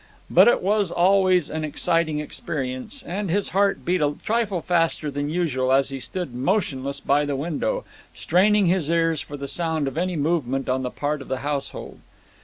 But it was always an exciting experience; and his heart beat a trifle faster than usual as he stood motionless by the window, straining his ears for the sound of any movement on the part of the household.